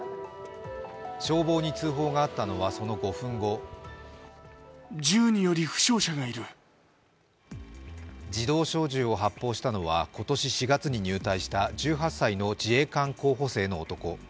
消防に通報があったのはその５分後自動小銃を発砲したのは今年４月に入隊した１８歳の自衛官候補生の男。